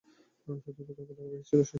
শত্রুপক্ষের পতাকাবাহী ছিল সে।